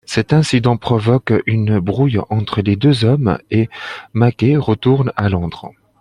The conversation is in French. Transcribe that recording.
Cet incident provoque une brouille entre les deux hommes et Mackay retourne à Londres.